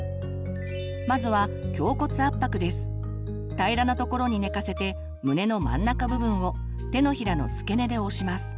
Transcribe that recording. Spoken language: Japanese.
まずは平らなところに寝かせて胸の真ん中部分を手のひらの付け根で押します。